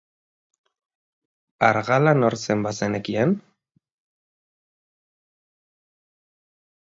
Argala nor zen bazenekien?